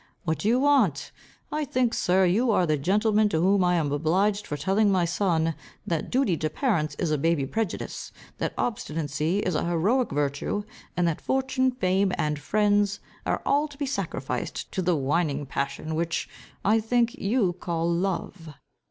What do you want? I think, Sir, you are the gentleman to whom I am obliged for telling my son, that duty to parents is a baby prejudice, that obstinacy is a heroic virtue, and that fortune, fame, and friends, are all to be sacrificed to the whining passion, which, I think, you call love."